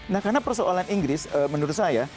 nah karena persoalan inggris menurut saya